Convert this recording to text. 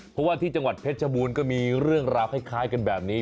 เพราะว่าที่จังหวัดเพชรชบูรณ์ก็มีเรื่องราวคล้ายกันแบบนี้